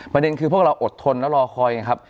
ประเด็นคือพวกเราอดทนแล้วรอคอยนะครับ